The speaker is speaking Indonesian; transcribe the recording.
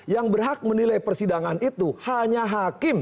yang berhak menilai persidangan itu hanya hakim